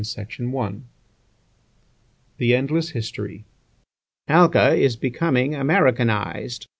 FUTURE TIMES THE ENDLESS HISTORY Alca is becoming Americanised.